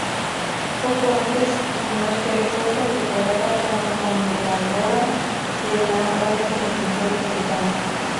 Poco antes su muerte, fue condecorada como comendadora de la Orden del Imperio británico.